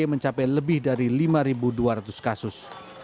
mencapai lebih dari lima dua ratus kasus